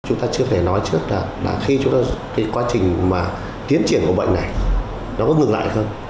ông phạm xuân đà cho biết căn bệnh phổi tắc nghẽn mãn tính từ năm hai nghìn một mươi hai thậm chí đã từng phẫu thuật do tràn khí màng phổi